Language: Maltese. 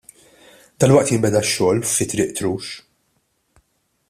Dalwaqt jinbeda x-xogħol fi Triq Trux.